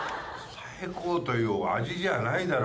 最高という味じゃないだろ。